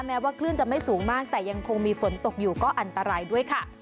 แม้ว่าคลื่นจะไม่สูงมากแต่ยังคงมีฝนตกอยู่ก็อันตรายด้วยค่ะ